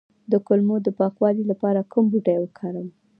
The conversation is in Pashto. د کولمو د پاکوالي لپاره کوم بوټی وکاروم؟